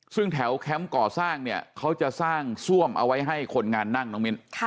ซึ่งแถวแคมป์ก่อสร้างเนี่ยเขาจะสร้างซ่วมเอาไว้ให้คนงานนั่งน้องมิ้น